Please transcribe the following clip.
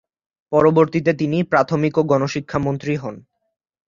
পরবর্তীতে তিনি প্রাথমিক ও গণশিক্ষা মন্ত্রী হন।